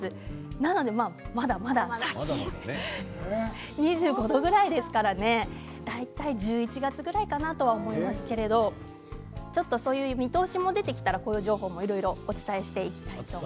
だから、まだまだ先２５度くらいですからね大体１１月ぐらいかなと思いますけれどそういう見通しも出てきたら情報も、いろいろお伝えしていきたいと思います。